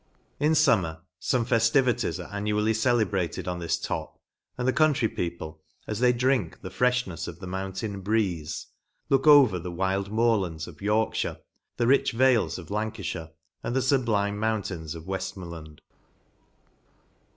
In fummer, fome feftivities are annually cele brated on this top, and the country people, as they " drink the frefhnefs of the moun tain breeze *," look over the wild moor lands of Yorkshire, the rich vales of Lan calhire, and to the fublime mountains of Weftmoreland.